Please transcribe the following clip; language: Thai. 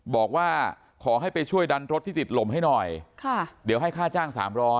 บอกว่าขอให้ไปช่วยดันรถที่ติดลมให้หน่อยเดี๋ยวให้ค่าจ้าง๓๐๐